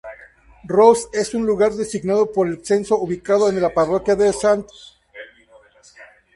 Rose es un lugar designado por el censo ubicado en la parroquia de St.